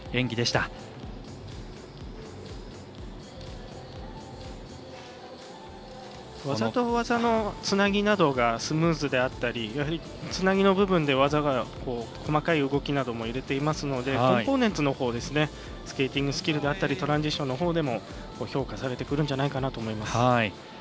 技と技のつなぎなどがスムーズであったりつなぎの部分で技が細かい動きなども入れてますのでコンポーネンツのほうですねスケーティングスキルであったりトランジションのほうでも評価されてくるんじゃないかなと思います。